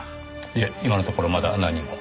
いえ今のところまだ何も。